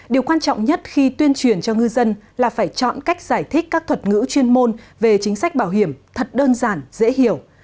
điều quan trọng nhất khi tuyên truyền cho ngư dân là phải chọn cách giải thích các thuật ngữ chuyên môn về chính sách bảo hiểm thật đơn giản dễ hiểu